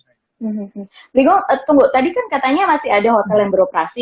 rigo tunggu tadi kan katanya masih ada hotel yang beroperasi